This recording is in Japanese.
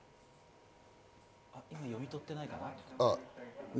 今、読み取ってないかな。